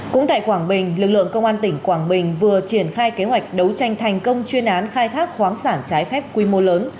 cũng tại quảng bình lực lượng công an tỉnh quảng bình vừa triển khai kế hoạch đấu tranh thành công chuyên án khai thác khoáng sản trái phép quy mô lớn